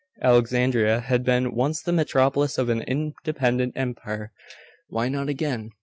Alexandria had been once the metropolis of an independent empire.... Why not again?